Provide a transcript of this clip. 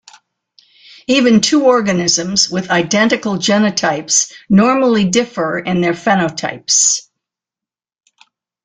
Even two organisms with identical genotypes normally differ in their phenotypes.